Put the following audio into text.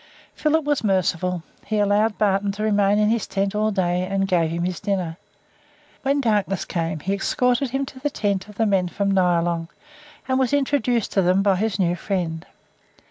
Philip was merciful; he allowed Barton to remain in his tent all day, and gave him his dinner. When darkness came he escorted him to the tent of the men from Nyalong, and was introduced to them by his new friend.